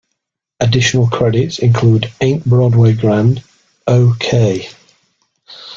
Additional credits include "Ain't Broadway Grand"; "Oh, Kay!